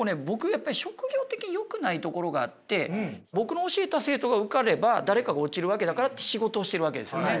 やっぱり職業的によくないところがあって僕の教えた生徒が受かれば誰かが落ちるわけだからって仕事をしてるわけですよね。